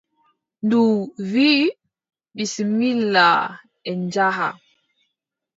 Ndu wiʼi : bisimilla en njaha.